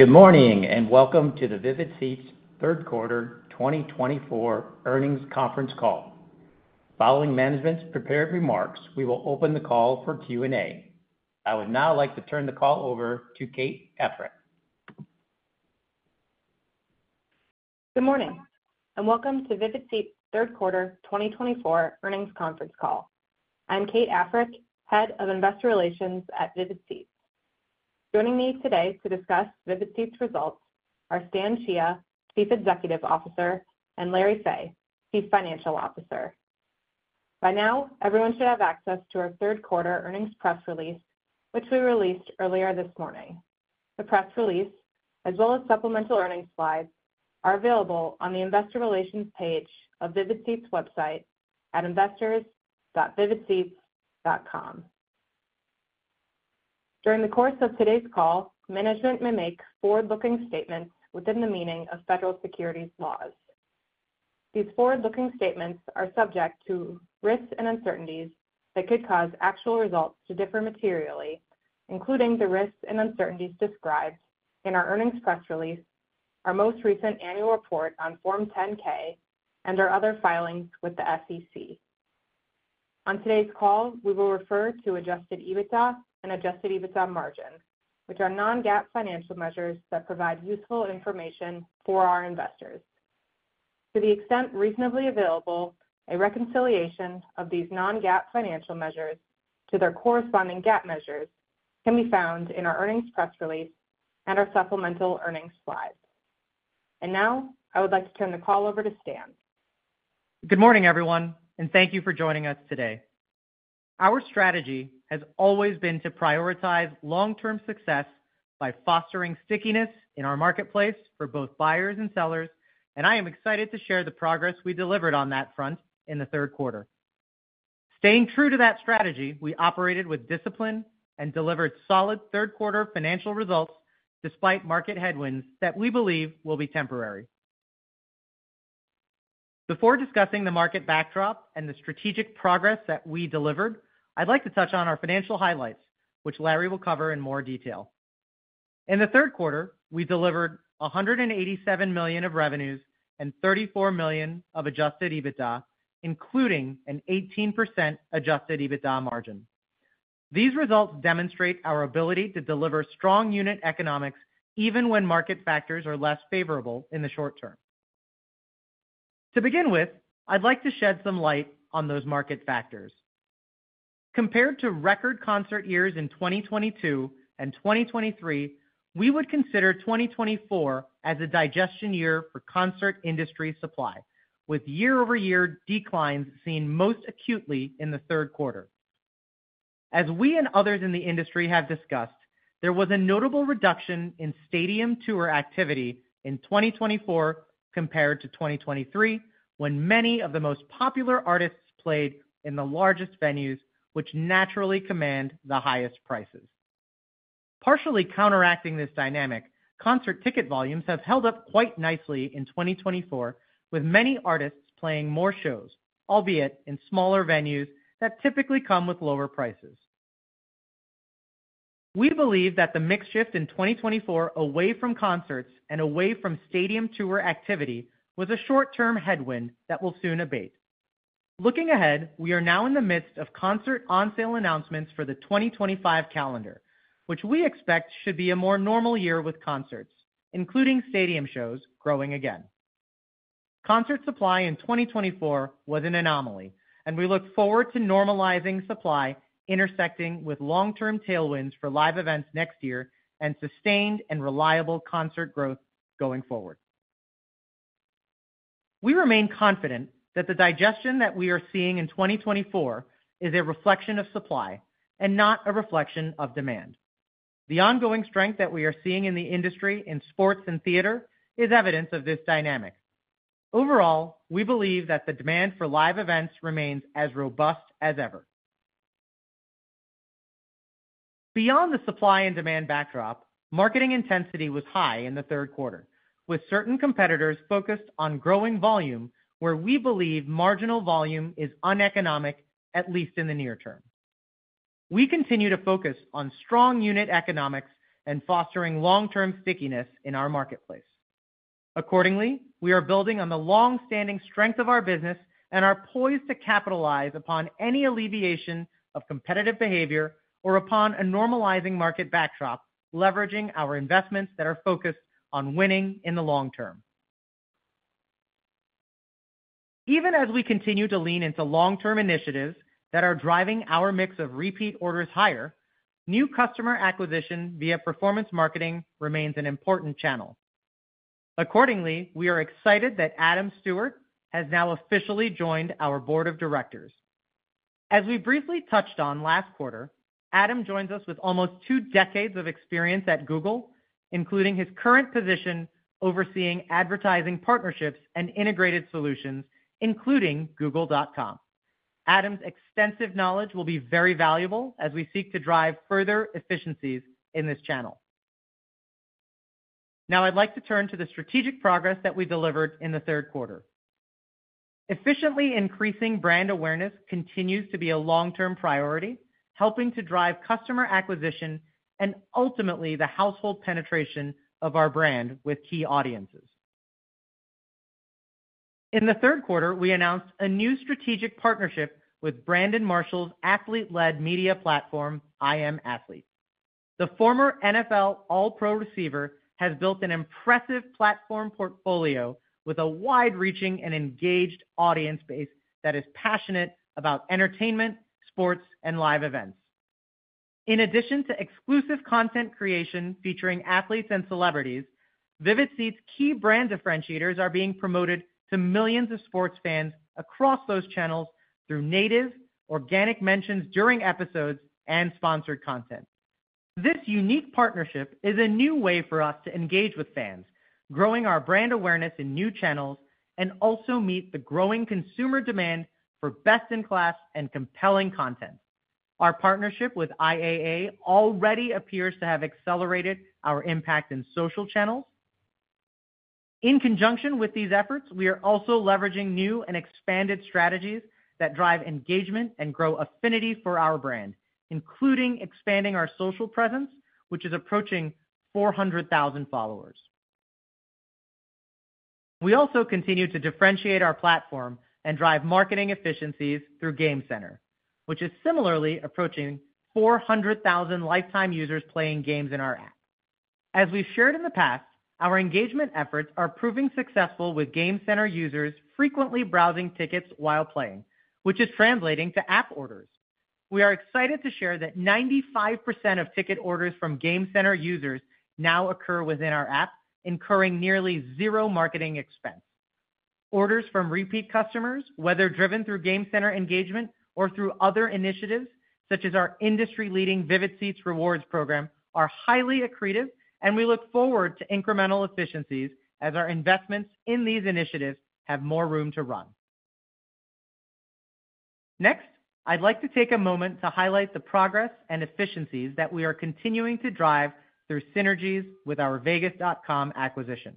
Good morning and welcome to the Vivid Seats Third Quarter 2024 earnings conference call. Following management's prepared remarks, we will open the call for Q&A. I would now like to turn the call over to Kate Africk. Good morning and welcome to Vivid Seats Third Quarter 2024 earnings conference call. I'm Kate Africk, Head of Investor Relations at Vivid Seats. Joining me today to discuss Vivid Seats results are Stan Chia, Chief Executive Officer, and Larry Fey, Chief Financial Officer. By now, everyone should have access to our Third Quarter earnings press release, which we released earlier this morning. The press release, as well as supplemental earnings slides, are available on the Investor Relations page of Vivid Seats website at investors.vividseats.com. During the course of today's call, management may make forward-looking statements within the meaning of federal securities laws. These forward-looking statements are subject to risks and uncertainties that could cause actual results to differ materially, including the risks and uncertainties described in our earnings press release, our most recent annual report on Form 10-K, and our other filings with the SEC. On today's call, we will refer to Adjusted EBITDA and Adjusted EBITDA margins, which are non-GAAP financial measures that provide useful information for our investors. To the extent reasonably available, a reconciliation of these non-GAAP financial measures to their corresponding GAAP measures can be found in our earnings press release and our supplemental earnings slides, and now I would like to turn the call over to Stan. Good morning, everyone, and thank you for joining us today. Our strategy has always been to prioritize long-term success by fostering stickiness in our marketplace for both buyers and sellers, and I am excited to share the progress we delivered on that front in the third quarter. Staying true to that strategy, we operated with discipline and delivered solid third quarter financial results despite market headwinds that we believe will be temporary. Before discussing the market backdrop and the strategic progress that we delivered, I'd like to touch on our financial highlights, which Larry will cover in more detail. In the third quarter, we delivered $187 million of revenues and $34 million of Adjusted EBITDA, including an 18% Adjusted EBITDA margin. These results demonstrate our ability to deliver strong unit economics even when market factors are less favorable in the short term. To begin with, I'd like to shed some light on those market factors. Compared to record concert years in 2022 and 2023, we would consider 2024 as a digestion year for concert industry supply, with year-over-year declines seen most acutely in the third quarter. As we and others in the industry have discussed, there was a notable reduction in stadium tour activity in 2024 compared to 2023, when many of the most popular artists played in the largest venues, which naturally command the highest prices. Partially counteracting this dynamic, concert ticket volumes have held up quite nicely in 2024, with many artists playing more shows, albeit in smaller venues that typically come with lower prices. We believe that the mixed shift in 2024 away from concerts and away from stadium tour activity was a short-term headwind that will soon abate. Looking ahead, we are now in the midst of concert on-sale announcements for the 2025 calendar, which we expect should be a more normal year with concerts, including stadium shows growing again. Concert supply in 2024 was an anomaly, and we look forward to normalizing supply intersecting with long-term tailwinds for live events next year and sustained and reliable concert growth going forward. We remain confident that the digestion that we are seeing in 2024 is a reflection of supply and not a reflection of demand. The ongoing strength that we are seeing in the industry in sports and theater is evidence of this dynamic. Overall, we believe that the demand for live events remains as robust as ever. Beyond the supply and demand backdrop, marketing intensity was high in the third quarter, with certain competitors focused on growing volume, where we believe marginal volume is uneconomic, at least in the near term. We continue to focus on strong unit economics and fostering long-term stickiness in our marketplace. Accordingly, we are building on the long-standing strength of our business and are poised to capitalize upon any alleviation of competitive behavior or upon a normalizing market backdrop, leveraging our investments that are focused on winning in the long term. Even as we continue to lean into long-term initiatives that are driving our mix of repeat orders higher, new customer acquisition via performance marketing remains an important channel. Accordingly, we are excited that Adam Stewart has now officially joined our board of directors. As we briefly touched on last quarter, Adam joins us with almost two decades of experience at Google, including his current position overseeing advertising partnerships and integrated solutions, including Google.com. Adam's extensive knowledge will be very valuable as we seek to drive further efficiencies in this channel. Now, I'd like to turn to the strategic progress that we delivered in the third quarter. Efficiently increasing brand awareness continues to be a long-term priority, helping to drive customer acquisition and ultimately the household penetration of our brand with key audiences. In the third quarter, we announced a new strategic partnership with Brandon Marshall's athlete-led media platform, I Am Athlete. The former NFL All-Pro receiver has built an impressive platform portfolio with a wide-reaching and engaged audience base that is passionate about entertainment, sports, and live events. In addition to exclusive content creation featuring athletes and celebrities, Vivid Seats' key brand differentiators are being promoted to millions of sports fans across those channels through native, organic mentions during episodes, and sponsored content. This unique partnership is a new way for us to engage with fans, growing our brand awareness in new channels, and also meet the growing consumer demand for best-in-class and compelling content. Our partnership with IAA already appears to have accelerated our impact in social channels. In conjunction with these efforts, we are also leveraging new and expanded strategies that drive engagement and grow affinity for our brand, including expanding our social presence, which is approaching 400,000 followers. We also continue to differentiate our platform and drive marketing efficiencies through Game Center, which is similarly approaching 400,000 lifetime users playing games in our app. As we've shared in the past, our engagement efforts are proving successful with Game Center users frequently browsing tickets while playing, which is translating to app orders. We are excited to share that 95% of ticket orders from Game Center users now occur within our app, incurring nearly zero marketing expense. Orders from repeat customers, whether driven through Game Center engagement or through other initiatives such as our industry-leading Vivid Seats Rewards program, are highly accretive, and we look forward to incremental efficiencies as our investments in these initiatives have more room to run. Next, I'd like to take a moment to highlight the progress and efficiencies that we are continuing to drive through synergies with our Vegas.com acquisition.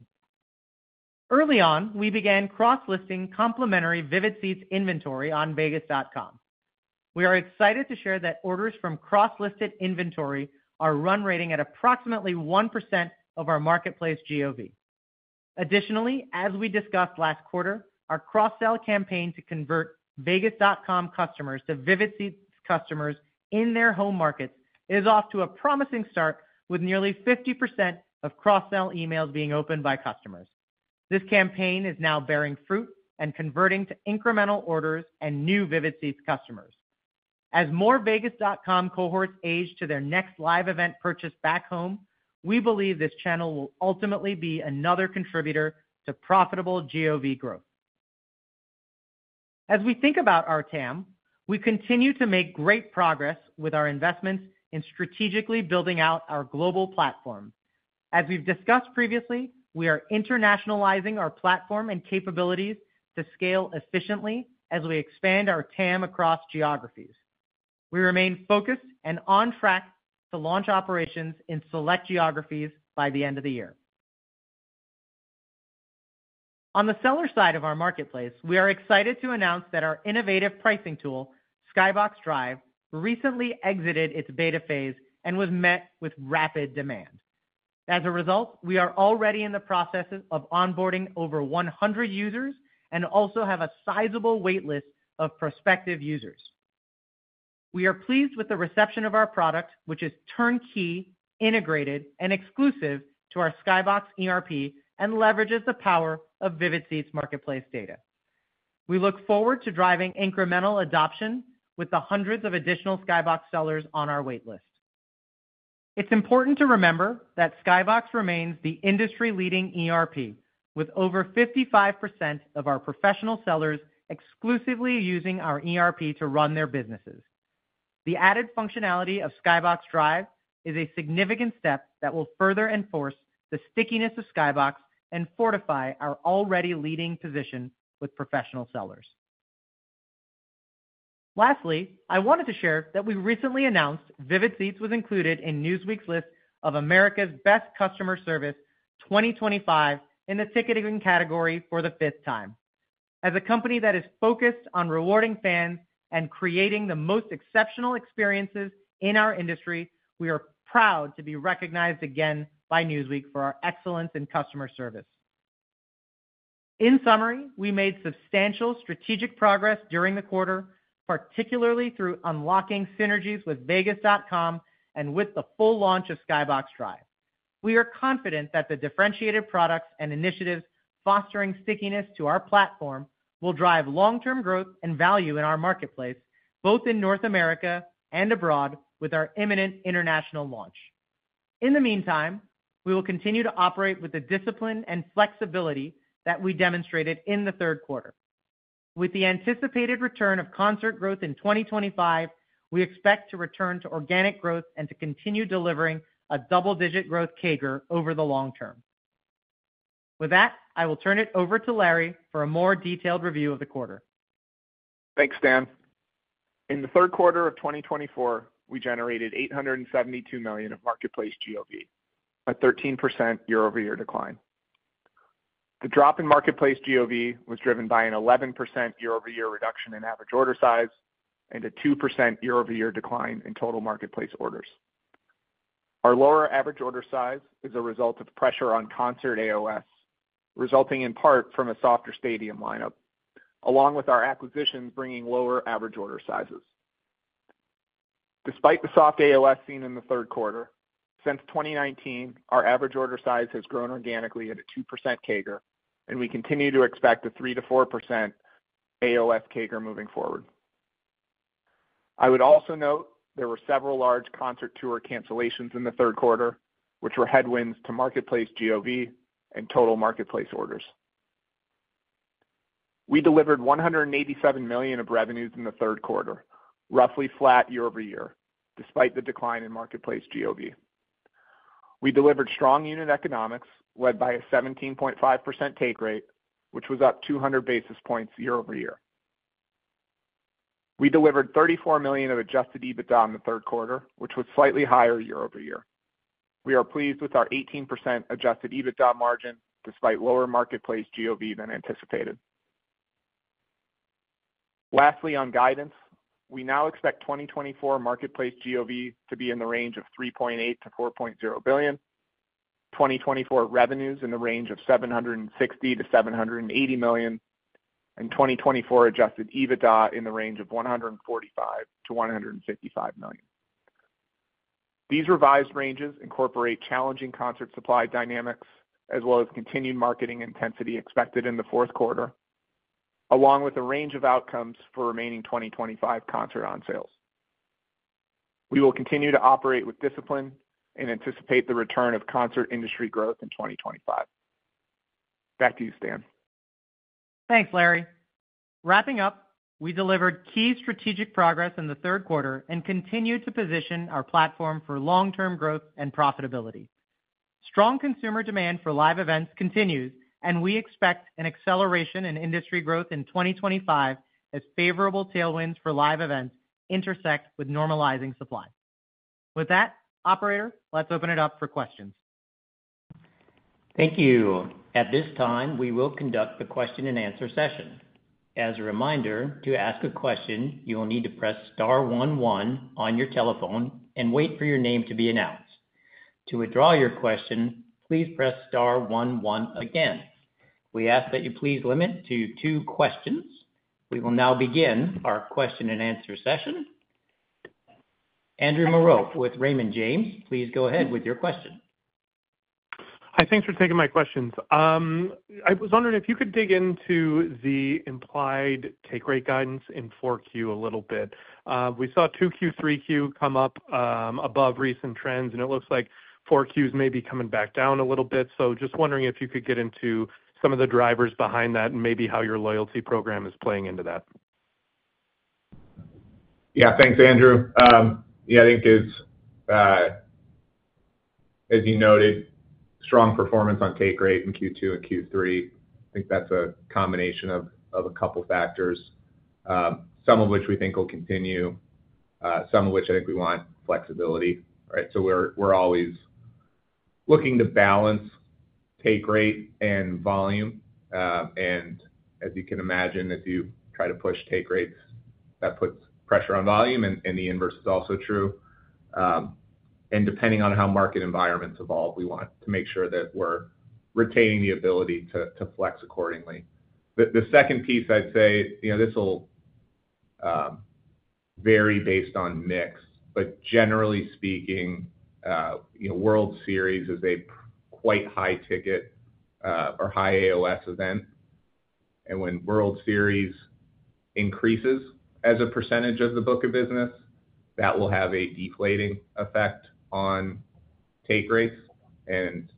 Early on, we began cross-listing complementary Vivid Seats inventory on Vegas.com. We are excited to share that orders from cross-listed inventory are run-rating at approximately 1% of our marketplace GOV. Additionally, as we discussed last quarter, our cross-sell campaign to convert Vegas.com customers to Vivid Seats customers in their home markets is off to a promising start, with nearly 50% of cross-sell emails being opened by customers. This campaign is now bearing fruit and converting to incremental orders and new Vivid Seats customers. As more Vegas.com cohorts age to their next live event purchase back home, we believe this channel will ultimately be another contributor to profitable GOV growth. As we think about our TAM, we continue to make great progress with our investments in strategically building out our global platform. As we've discussed previously, we are internationalizing our platform and capabilities to scale efficiently as we expand our TAM across geographies. We remain focused and on track to launch operations in select geographies by the end of the year. On the seller side of our marketplace, we are excited to announce that our innovative pricing tool, Skybox Drive, recently exited its beta phase and was met with rapid demand. As a result, we are already in the process of onboarding over 100 users and also have a sizable waitlist of prospective users. We are pleased with the reception of our product, which is turnkey, integrated, and exclusive to our Skybox ERP and leverages the power of Vivid Seats marketplace data. We look forward to driving incremental adoption with the hundreds of additional Skybox sellers on our waitlist. It's important to remember that Skybox remains the industry-leading ERP, with over 55% of our professional sellers exclusively using our ERP to run their businesses. The added functionality of Skybox Drive is a significant step that will further enforce the stickiness of Skybox and fortify our already leading position with professional sellers. Lastly, I wanted to share that we recently announced Vivid Seats was included in Newsweek's list of America's Best Customer Service 2025 in the ticketing category for the fifth time. As a company that is focused on rewarding fans and creating the most exceptional experiences in our industry, we are proud to be recognized again by Newsweek for our excellence in customer service. In summary, we made substantial strategic progress during the quarter, particularly through unlocking synergies with Vegas.com and with the full launch of Skybox Drive. We are confident that the differentiated products and initiatives fostering stickiness to our platform will drive long-term growth and value in our marketplace, both in North America and abroad, with our imminent international launch. In the meantime, we will continue to operate with the discipline and flexibility that we demonstrated in the third quarter. With the anticipated return of concert growth in 2025, we expect to return to organic growth and to continue delivering a double-digit growth CAGR over the long term. With that, I will turn it over to Larry for a more detailed review of the quarter. Thanks, Stan. In the third quarter of 2024, we generated $872 million of marketplace GOV, a 13% year-over-year decline. The drop in marketplace GOV was driven by an 11% year-over-year reduction in average order size and a 2% year-over-year decline in total marketplace orders. Our lower average order size is a result of pressure on concert AOS, resulting in part from a softer stadium lineup, along with our acquisitions bringing lower average order sizes. Despite the soft AOS seen in the third quarter, since 2019, our average order size has grown organically at a 2% CAGR, and we continue to expect a 3%-4% AOS CAGR moving forward. I would also note there were several large concert tour cancellations in the third quarter, which were headwinds to marketplace GOV and total marketplace orders. We delivered $187 million of revenues in the third quarter, roughly flat year-over-year, despite the decline in marketplace GOV. We delivered strong unit economics led by a 17.5% take rate, which was up 200 basis points year-over-year. We delivered $34 million of Adjusted EBITDA in the third quarter, which was slightly higher year-over-year. We are pleased with our 18% Adjusted EBITDA margin despite lower marketplace GOV than anticipated. Lastly, on guidance, we now expect 2024 marketplace GOV to be in the range of $3.8 billion-$4.0 billion, 2024 revenues in the range of $760 million-$780 million, and 2024 Adjusted EBITDA in the range of $145 million-$155 million. These revised ranges incorporate challenging concert supply dynamics as well as continued marketing intensity expected in the fourth quarter, along with a range of outcomes for remaining 2025 concert on sales. We will continue to operate with discipline and anticipate the return of concert industry growth in 2025. Back to you, Stan. Thanks, Larry. Wrapping up, we delivered key strategic progress in the third quarter and continue to position our platform for long-term growth and profitability. Strong consumer demand for live events continues, and we expect an acceleration in industry growth in 2025 as favorable tailwinds for live events intersect with normalizing supply. With that, operator, let's open it up for questions. Thank you. At this time, we will conduct the question-and-answer session. As a reminder, to ask a question, you will need to press star one one on your telephone and wait for your name to be announced. To withdraw your question, please press star one one again. We ask that you please limit to two questions. We will now begin our question-and-answer session. Andrew Marok with Raymond James, please go ahead with your question. Hi, thanks for taking my questions. I was wondering if you could dig into the implied take rate guidance in 4Q a little bit. We saw 2Q, 3Q come up above recent trends, and it looks like 4Q is maybe coming back down a little bit. So just wondering if you could get into some of the drivers behind that and maybe how your loyalty program is playing into that. Yeah, thanks, Andrew. Yeah, I think it's, as you noted, strong performance on take rate in Q2 and Q3. I think that's a combination of a couple of factors, some of which we think will continue, some of which I think we want flexibility. So we're always looking to balance take rate and volume. And as you can imagine, if you try to push take rates, that puts pressure on volume, and the inverse is also true. And depending on how market environments evolve, we want to make sure that we're retaining the ability to flex accordingly. The second piece, I'd say, this will vary based on mix, but generally speaking, World Series is a quite high ticket or high AOS event. And when World Series increases as a percentage of the book of business, that will have a deflating effect on take rates. And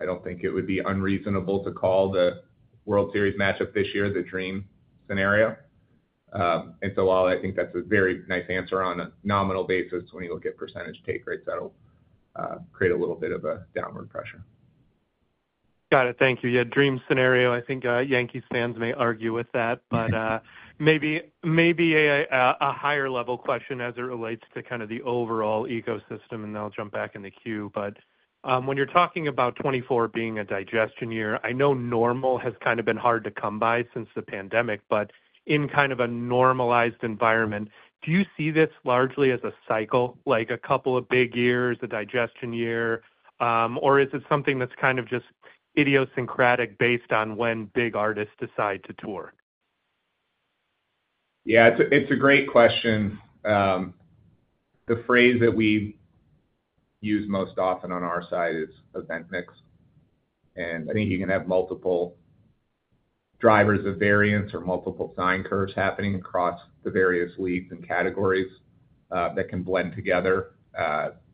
I don't think it would be unreasonable to call the World Series matchup this year the dream scenario. And so while I think that's a very nice answer on a nominal basis, when you look at percentage take rates, that'll create a little bit of a downward pressure. Got it. Thank you. Yeah, dream scenario. I think Yankees fans may argue with that, but maybe a higher-level question as it relates to kind of the overall ecosystem, and then I'll jump back in the queue. But when you're talking about 2024 being a digestion year, I know normal has kind of been hard to come by since the pandemic, but in kind of a normalized environment, do you see this largely as a cycle, like a couple of big years, a digestion year, or is it something that's kind of just idiosyncratic based on when big artists decide to tour? Yeah, it's a great question. The phrase that we use most often on our side is event mix. And I think you can have multiple drivers of variance or multiple sine curves happening across the various leagues and categories that can blend together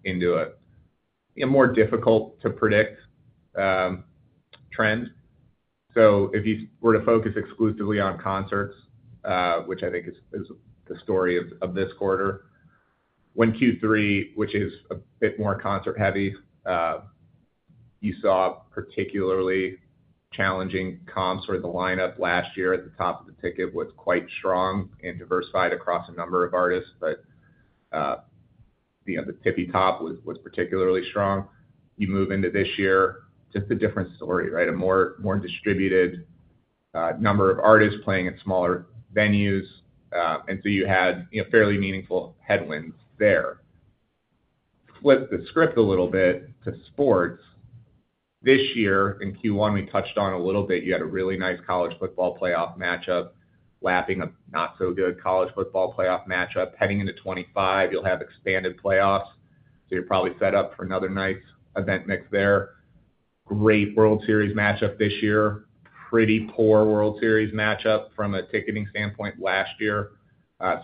into a more difficult-to-predict trend. So if you were to focus exclusively on concerts, which I think is the story of this quarter, when Q3, which is a bit more concert-heavy, you saw particularly challenging comps where the lineup last year at the top of the ticket was quite strong and diversified across a number of artists, but the tippy top was particularly strong. You move into this year, just a different story, a more distributed number of artists playing at smaller venues. And so you had fairly meaningful headwinds there. Flip the script a little bit to sports. This year in Q1, we touched on a little bit. You had a really nice college football playoff matchup, lapping a not-so-good college football playoff matchup. Heading into 2025, you'll have expanded playoffs, so you're probably set up for another nice event mix there. Great World Series matchup this year, pretty poor World Series matchup from a ticketing standpoint last year,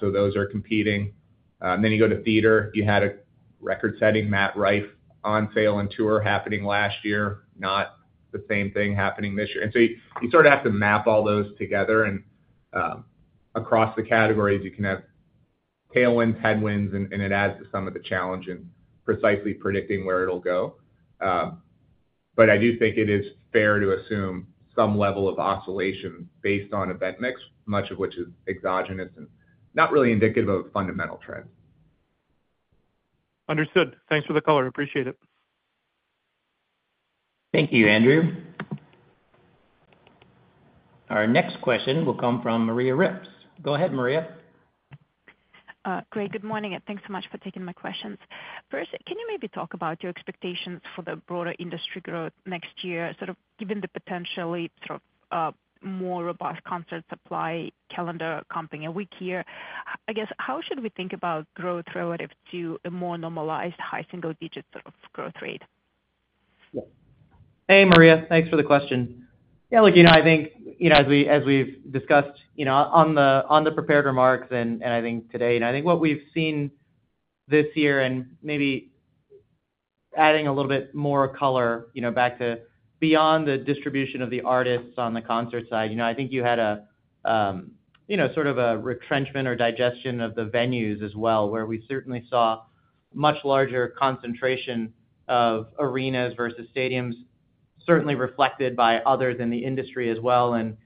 so those are competing. Then you go to theater. You had a record-setting Matt Rife on sale and tour happening last year, not the same thing happening this year, and so you sort of have to map all those together, and across the categories, you can have tailwinds, headwinds, and it adds to some of the challenge in precisely predicting where it'll go. But I do think it is fair to assume some level of oscillation based on event mix, much of which is exogenous and not really indicative of fundamental trends. Understood. Thanks for the color. Appreciate it. Thank you, Andrew. Our next question will come from Maria Ripps. Go ahead, Maria. Great. Good morning, and thanks so much for taking my questions. First, can you maybe talk about your expectations for the broader industry growth next year, sort of given the potentially more robust concert supply calendar coming at us here? I guess, how should we think about growth relative to a more normalized high single-digit growth rate? Hey, Maria. Thanks for the question. Yeah, look, I think as we've discussed on the prepared remarks and I think today, and I think what we've seen this year and maybe adding a little bit more color back to beyond the distribution of the artists on the concert side, I think you had a sort of a retrenchment or digestion of the venues as well, where we certainly saw much larger concentration of arenas versus stadiums, certainly reflected by others in the industry as well. And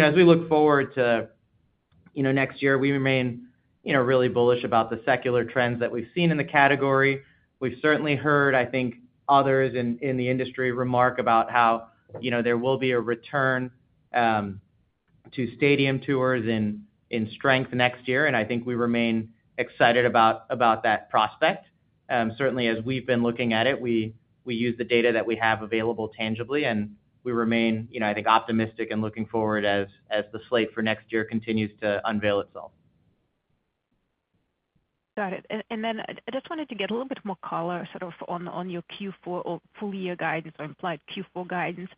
as we look forward to next year, we remain really bullish about the secular trends that we've seen in the category. We've certainly heard, I think, others in the industry remark about how there will be a return to stadium tours in strength next year. And I think we remain excited about that prospect. Certainly, as we've been looking at it, we use the data that we have available tangibly, and we remain, I think, optimistic and looking forward as the slate for next year continues to unveil itself. Got it. And then I just wanted to get a little bit more color sort of on your Q4 or full-year guidance or implied Q4 guidance.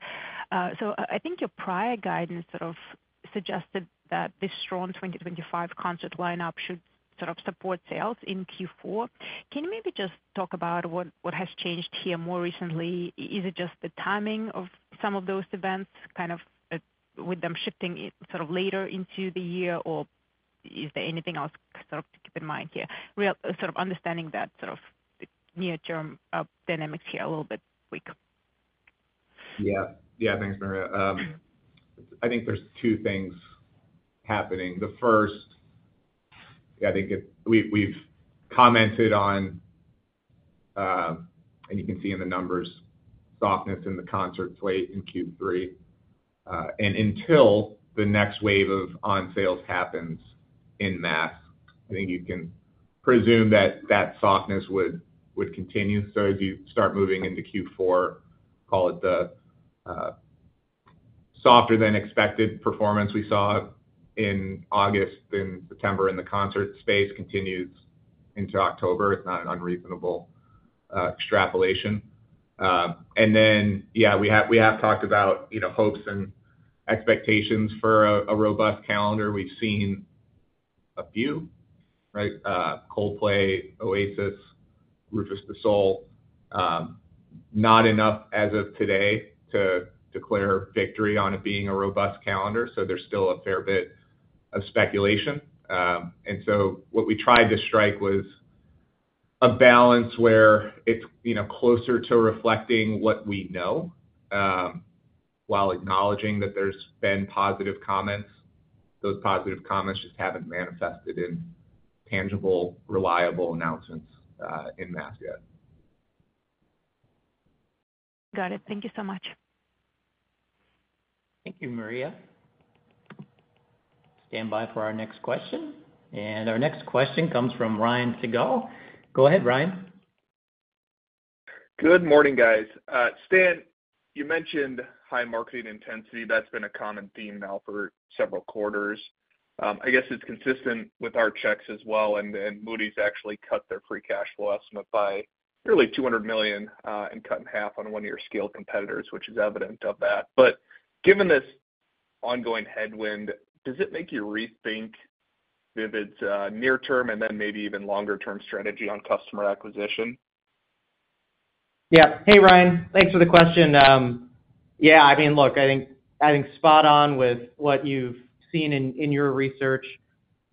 So I think your prior guidance sort of suggested that this strong 2025 concert lineup should sort of support sales in Q4. Can you maybe just talk about what has changed here more recently? Is it just the timing of some of those events, kind of with them shifting sort of later into the year, or is there anything else sort of to keep in mind here? Sort of understanding that sort of near-term dynamics here a little bit quick. Yeah. Yeah, thanks, Maria. I think there's two things happening. The first, I think we've commented on, and you can see in the numbers, softness in the concert slate in Q3. And until the next wave of on sales happens en masse, I think you can presume that that softness would continue. So as you start moving into Q4, call it the softer-than-expected performance we saw in August and September in the concert space continues into October. It's not an unreasonable extrapolation. And then, yeah, we have talked about hopes and expectations for a robust calendar. We've seen a few, Coldplay, Oasis, Rüfüs Du Sol, not enough as of today to declare victory on it being a robust calendar. So there's still a fair bit of speculation. And so what we tried to strike was a balance where it's closer to reflecting what we know while acknowledging that there's been positive comments. Those positive comments just haven't manifested in tangible, reliable announcements en masse yet. Got it. Thank you so much. Thank you, Maria. Stand by for our next question, and our next question comes from Ryan Sigdahl. Go ahead, Ryan. Good morning, guys. Stan, you mentioned high marketing intensity. That's been a common theme now for several quarters. I guess it's consistent with our checks as well. And Moody's actually cut their free cash flow estimate by nearly $200 million and cut in half their one-year sales estimates for competitors, which is evidence of that. But given this ongoing headwind, does it make you rethink Vivid's near-term and then maybe even longer-term strategy on customer acquisition? Yeah. Hey, Ryan. Thanks for the question. Yeah, I mean, look, I think spot on with what you've seen in your research.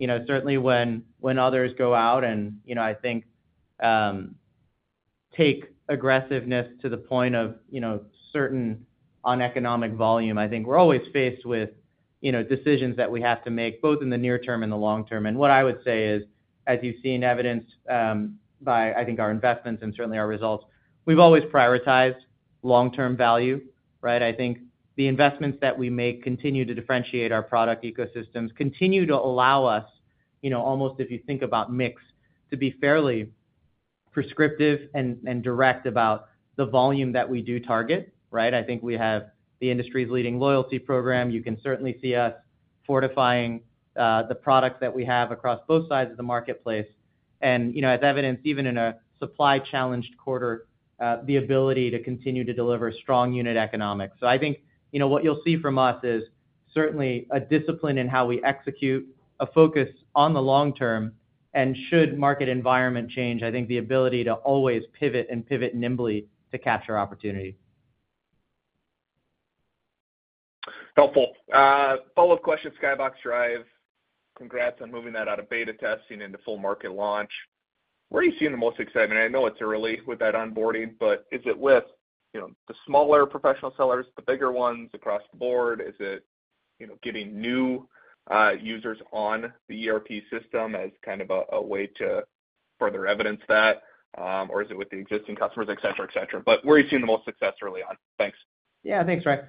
Certainly, when others go out and I think take aggressiveness to the point of certain uneconomic volume, I think we're always faced with decisions that we have to make both in the near term and the long term. And what I would say is, as you've seen evidenced by, I think, our investments and certainly our results, we've always prioritized long-term value. I think the investments that we make continue to differentiate our product ecosystems, continue to allow us, almost if you think about mix, to be fairly prescriptive and direct about the volume that we do target. I think we have the industry's leading loyalty program. You can certainly see us fortifying the products that we have across both sides of the marketplace. And as evidenced, even in a supply-challenged quarter, the ability to continue to deliver strong unit economics. So I think what you'll see from us is certainly a discipline in how we execute, a focus on the long term, and should market environment change, I think the ability to always pivot and pivot nimbly to capture opportunity. Helpful. Follow-up question, Skybox Drive. Congrats on moving that out of beta testing into full market launch. Where are you seeing the most excitement? I know it's early with that onboarding, but is it with the smaller professional sellers, the bigger ones across the board? Is it getting new users on the ERP system as kind of a way to further evidence that, or is it with the existing customers, etc., etc.? But where are you seeing the most success early on? Thanks. Yeah, thanks, Ryan.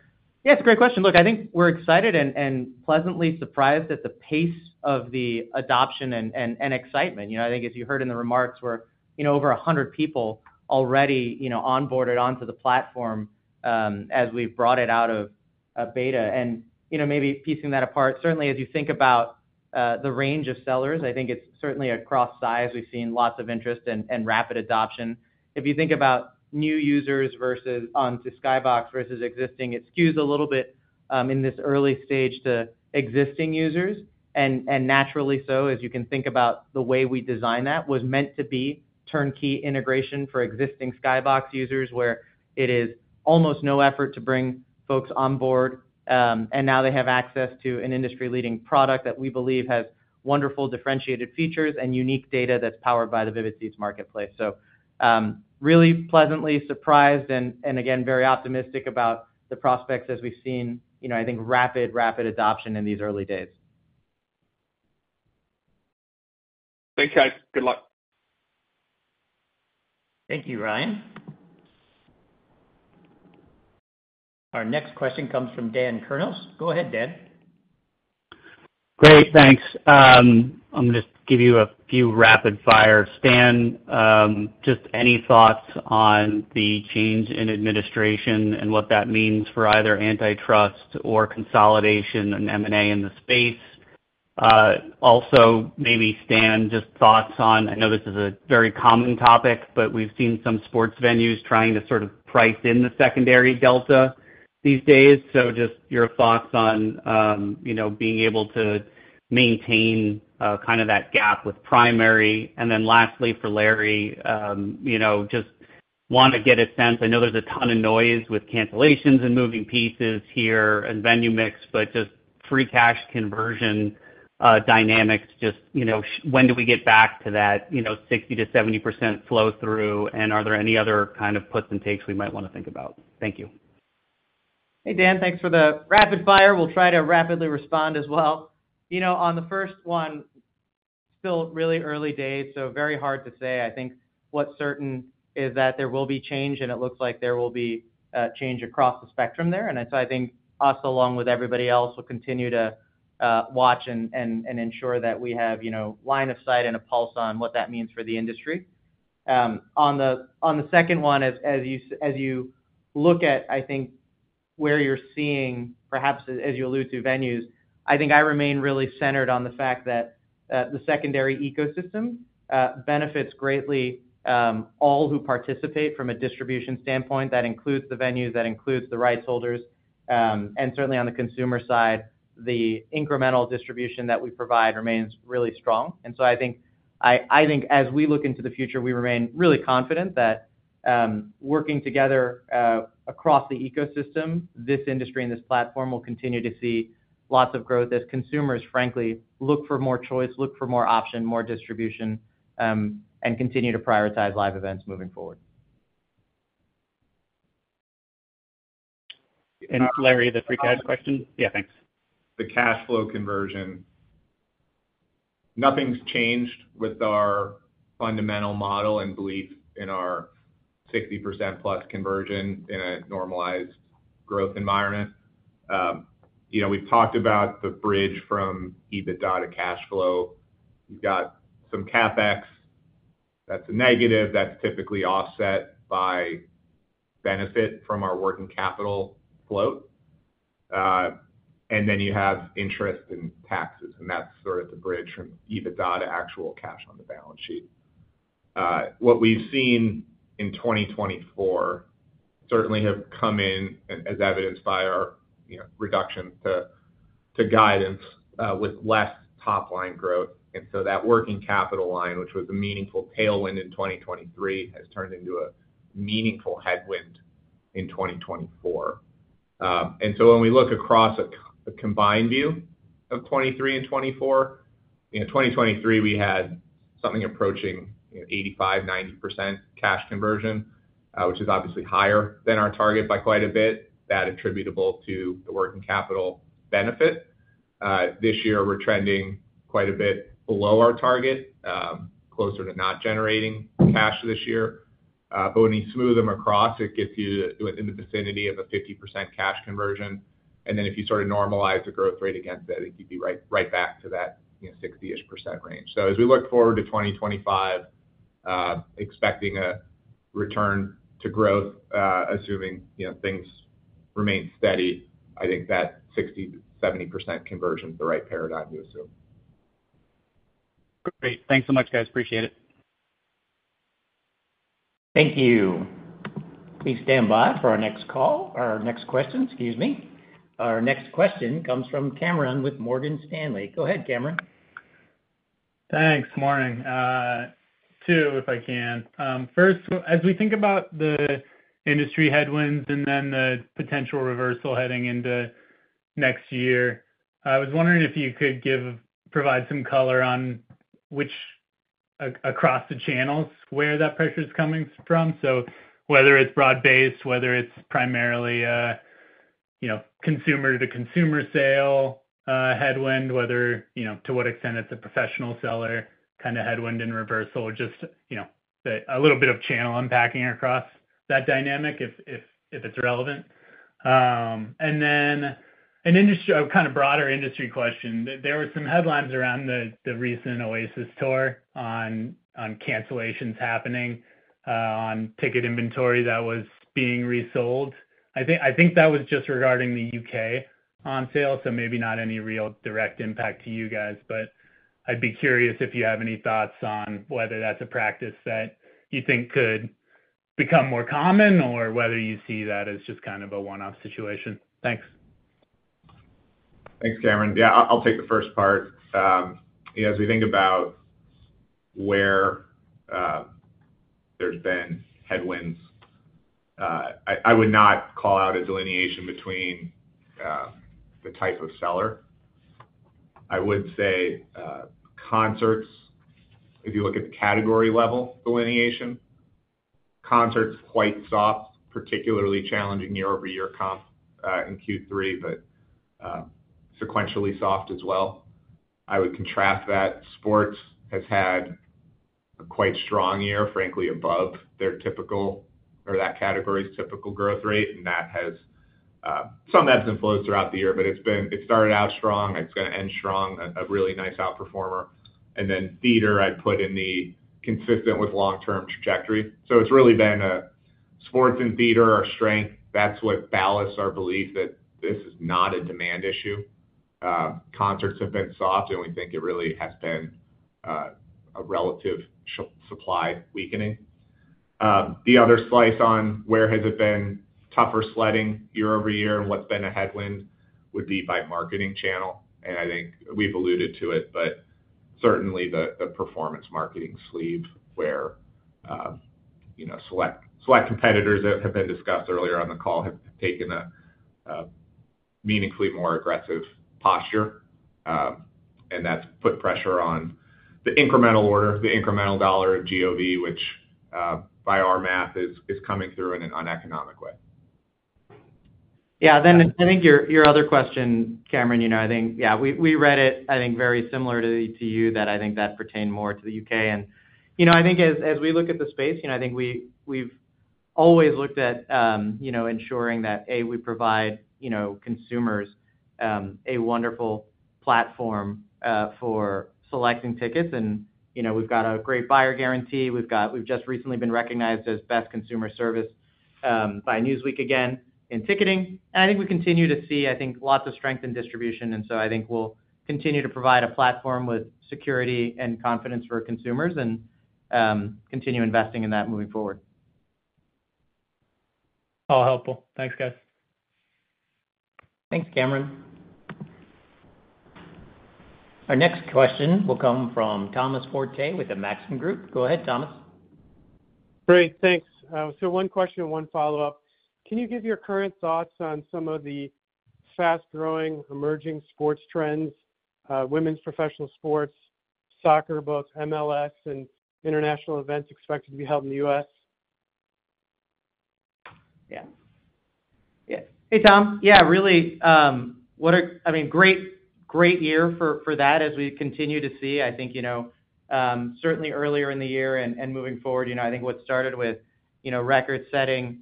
Yeah, it's a great question. Look, I think we're excited and pleasantly surprised at the pace of the adoption and excitement. I think, as you heard in the remarks, we're over 100 people already onboarded onto the platform as we've brought it out of beta. And maybe piecing that apart, certainly, as you think about the range of sellers, I think it's certainly across size. We've seen lots of interest and rapid adoption. If you think about new users versus onto Skybox versus existing, it skews a little bit in this early stage to existing users. And naturally so, as you can think about the way we design that, was meant to be turnkey integration for existing Skybox users where it is almost no effort to bring folks on board. And now they have access to an industry-leading product that we believe has wonderful differentiated features and unique data that's powered by the Vivid Seats marketplace. So really pleasantly surprised and, again, very optimistic about the prospects as we've seen, I think, rapid, rapid adoption in these early days. Thanks, guys. Good luck. Thank you, Ryan. Our next question comes from Dan Kurnos. Go ahead, Dan. Great. Thanks. I'm going to give you a few rapid-fire. Stan, just any thoughts on the change in administration and what that means for either antitrust or consolidation and M&A in the space? Also, maybe Stan, just thoughts on, I know this is a very common topic, but we've seen some sports venues trying to sort of price in the secondary delta these days. So just your thoughts on being able to maintain kind of that gap with primary. And then lastly, for Larry, just want to get a sense. I know there's a ton of noise with cancellations and moving pieces here and venue mix, but just free cash conversion dynamics, just when do we get back to that 60%-70% flow-through? And are there any other kind of puts and takes we might want to think about? Thank you. Hey, Dan. Thanks for the rapid-fire. We'll try to rapidly respond as well. On the first one, still really early days, so very hard to say. I think what's certain is that there will be change, and it looks like there will be change across the spectrum there. And so I think us, along with everybody else, will continue to watch and ensure that we have line of sight and a pulse on what that means for the industry. On the second one, as you look at, I think, where you're seeing, perhaps as you allude to venues, I think I remain really centered on the fact that the secondary ecosystem benefits greatly all who participate from a distribution standpoint. That includes the venues, that includes the rights holders. And certainly, on the consumer side, the incremental distribution that we provide remains really strong. And so I think, as we look into the future, we remain really confident that working together across the ecosystem, this industry and this platform will continue to see lots of growth as consumers, frankly, look for more choice, look for more option, more distribution, and continue to prioritize live events moving forward. And Larry, the free cash question? Yeah, thanks. The cash flow conversion. Nothing's changed with our fundamental model and belief in our 60%+ conversion in a normalized growth environment. We've talked about the bridge from EBITDA to cash flow. You've got some CapEx. That's a negative. That's typically offset by benefit from our working capital float, and then you have interest and taxes, and that's sort of the bridge from EBITDA to actual cash on the balance sheet. What we've seen in 2024 certainly has come in as evidenced by our reduction to guidance with less top-line growth, and so that working capital line, which was a meaningful tailwind in 2023, has turned into a meaningful headwind in 2024, and so when we look across a combined view of 2023 and 2024, in 2023, we had something approaching 85%-90% cash conversion, which is obviously higher than our target by quite a bit. That's attributable to the working capital benefit. This year, we're trending quite a bit below our target, closer to not generating cash this year. But when you smooth them across, it gets you in the vicinity of a 50% cash conversion. And then if you sort of normalize the growth rate against that, I think you'd be right back to that 60-ish% range. So as we look forward to 2025, expecting a return to growth, assuming things remain steady, I think that 60%-70% conversion is the right paradigm to assume. Great. Thanks so much, guys. Appreciate it. Thank you. Please stand by for our next call, our next question. Excuse me. Our next question comes from Cameron with Morgan Stanley. Go ahead, Cameron. Thanks. Morning. Two, if I can. First, as we think about the industry headwinds and then the potential reversal heading into next year, I was wondering if you could provide some color across the channels where that pressure is coming from. So whether it's broad-based, whether it's primarily consumer-to-consumer sale headwind, whether to what extent it's a professional seller kind of headwind and reversal, just a little bit of channel unpacking across that dynamic if it's relevant. And then a kind of broader industry question. There were some headlines around the recent Oasis tour on cancellations happening on ticket inventory that was being resold. I think that was just regarding the U.K. on sale, so maybe not any real direct impact to you guys. But I'd be curious if you have any thoughts on whether that's a practice that you think could become more common or whether you see that as just kind of a one-off situation. Thanks. Thanks, Cameron. Yeah, I'll take the first part. As we think about where there's been headwinds, I would not call out a delineation between the type of seller. I would say concerts, if you look at the category-level delineation, concerts quite soft, particularly challenging year-over-year comp in Q3, but sequentially soft as well. I would contrast that. Sports has had a quite strong year, frankly, above their typical or that category's typical growth rate. And that has some ebbs and flows throughout the year, but it started out strong. It's going to end strong, a really nice outperformer. And then theater, I'd put in the consistent with long-term trajectory. So it's really been a sports and theater are strength. That's what bolsters our belief that this is not a demand issue. Concerts have been soft, and we think it really has been a relative supply weakening. The other slice on where has it been tougher sledding year-over-year and what's been a headwind would be by marketing channel. And I think we've alluded to it, but certainly the performance marketing sleeve where select competitors that have been discussed earlier on the call have taken a meaningfully more aggressive posture. And that's put pressure on the incremental order, the incremental dollar of GOV, which by our math is coming through in an uneconomic way. Yeah. Then I think your other question, Cameron, I think, yeah, we read it, I think, very similar to you that I think that pertained more to the UK. And I think as we look at the space, I think we've always looked at ensuring that, A, we provide consumers a wonderful platform for selecting tickets. And we've got a great buyer guarantee. We've just recently been recognized as best customer service by Newsweek again in ticketing. And I think we continue to see, I think, lots of strength in distribution. And so I think we'll continue to provide a platform with security and confidence for consumers and continue investing in that moving forward. All helpful. Thanks, guys. Thanks, Cameron. Our next question will come from Thomas Forte with the Maxim Group. Go ahead, Thomas. Great. Thanks. So one question, one follow-up. Can you give your current thoughts on some of the fast-growing emerging sports trends, women's professional sports, soccer, both MLS and international events expected to be held in the U.S.? Yeah. Yeah. Hey, Tom. Yeah, really, I mean, great year for that as we continue to see. I think certainly earlier in the year and moving forward, I think what started with record-setting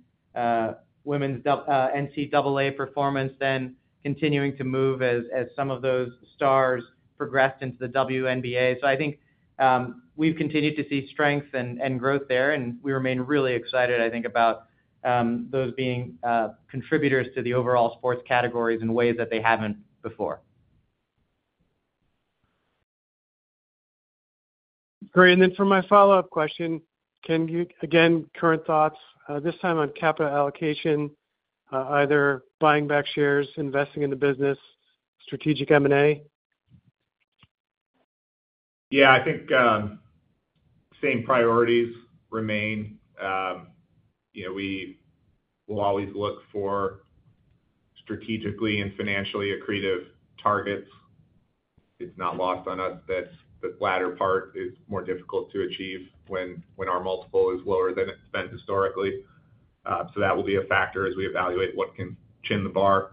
women's NCAA performance, then continuing to move as some of those stars progressed into the WNBA, so I think we've continued to see strength and growth there and we remain really excited, I think, about those being contributors to the overall sports categories in ways that they haven't before. Great. And then for my follow-up question, again, current thoughts, this time on capital allocation, either buying back shares, investing in the business, strategic M&A? Yeah. I think same priorities remain. We will always look for strategically and financially accretive targets. It's not lost on us that the latter part is more difficult to achieve when our multiple is lower than it's been historically. So that will be a factor as we evaluate what can raise the bar.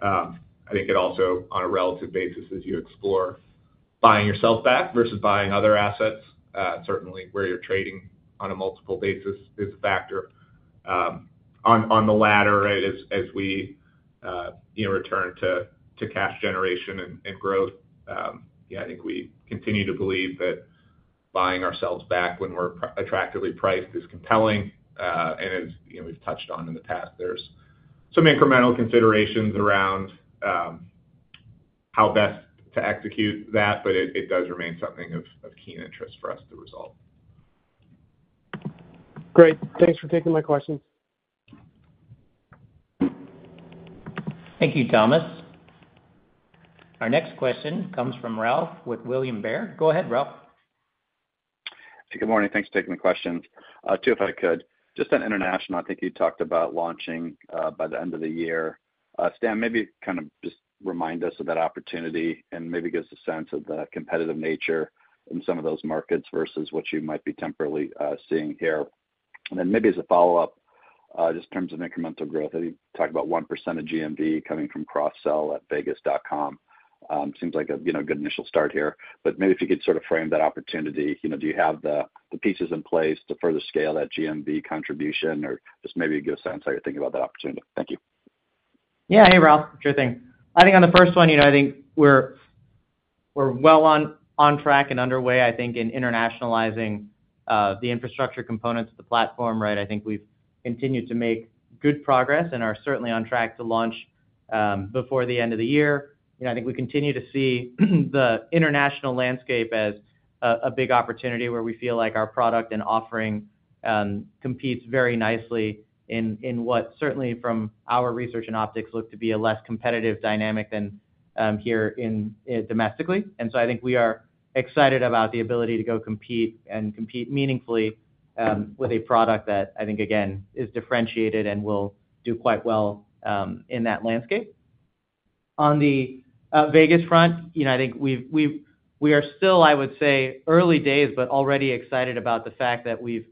I think it also, on a relative basis, as you explore buying yourself back versus buying other assets, certainly where you're trading on a multiple basis is a factor. On the latter, right, as we return to cash generation and growth, yeah, I think we continue to believe that buying ourselves back when we're attractively priced is compelling. And as we've touched on in the past, there's some incremental considerations around how best to execute that, but it does remain something of keen interest for us to resolve. Great. Thanks for taking my questions. Thank you, Thomas. Our next question comes from Ralph with William Blair. Go ahead, Ralph. Hey, good morning. Thanks for taking my question. Two, if I could. Just on international, I think you talked about launching by the end of the year. Stan, maybe kind of just remind us of that opportunity and maybe give us a sense of the competitive nature in some of those markets versus what you might be temporarily seeing here. And then maybe as a follow-up, just in terms of incremental growth, I think you talked about 1% of GMV coming from cross-sell at Vegas.com. Seems like a good initial start here. But maybe if you could sort of frame that opportunity, do you have the pieces in place to further scale that GMV contribution, or just maybe give us a sense how you're thinking about that opportunity? Thank you. Yeah. Hey, Ralph. Sure thing. I think on the first one, I think we're well on track and underway, I think, in internationalizing the infrastructure components of the platform, right? I think we've continued to make good progress and are certainly on track to launch before the end of the year. I think we continue to see the international landscape as a big opportunity where we feel like our product and offering competes very nicely in what certainly, from our research and optics, look to be a less competitive dynamic than here domestically, and so I think we are excited about the ability to go compete and compete meaningfully with a product that I think, again, is differentiated and will do quite well in that landscape. On the Vegas front, I think we are still, I would say, early days, but already excited about the fact that we've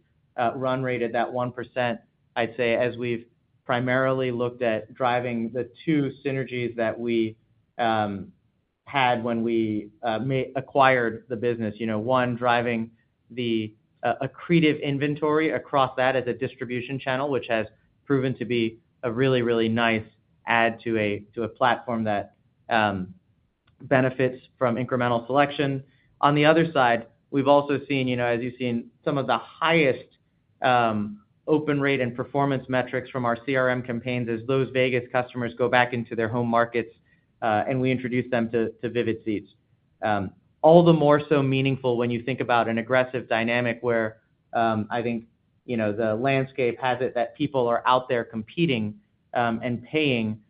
run-rated that 1%, I'd say, as we've primarily looked at driving the two synergies that we had when we acquired the business. One, driving the accretive inventory across that as a distribution channel, which has proven to be a really, really nice add to a platform that benefits from incremental selection. On the other side, we've also seen, as you've seen, some of the highest open rate and performance metrics from our CRM campaigns as those Vegas customers go back into their home markets and we introduce them to Vivid Seats. All the more so meaningful when you think about an aggressive dynamic where I think the landscape has it that people are out there competing and paying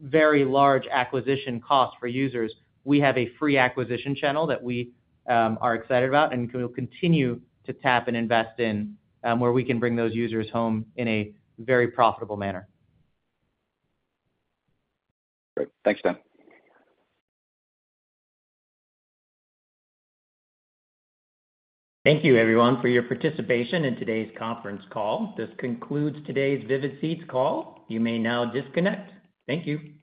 very large acquisition costs for users. We have a free acquisition channel that we are excited about and will continue to tap and invest in where we can bring those users home in a very profitable manner. Great. Thanks, Stan. Thank you, everyone, for your participation in today's conference call. This concludes today's Vivid Seats call. You may now disconnect. Thank you.